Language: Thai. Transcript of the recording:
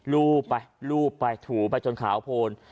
รูปไปลูบไปถูไปจนขาวโพน